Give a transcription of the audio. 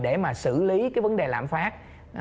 để mà xử lý cái vấn đề lãm phát